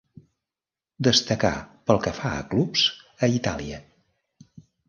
Destacà pel que fa a clubs, a Itàlia.